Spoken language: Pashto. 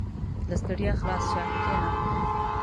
• له ستړیا خلاص شه، کښېنه.